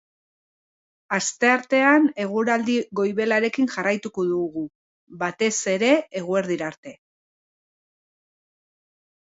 Asteartean eguraldi goibelarekin jarraituko dugu, batez ere eguerdira arte.